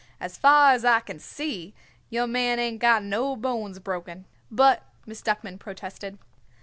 "As far as I can see your man ain't got no bones broken." "But " Miss Duckman protested.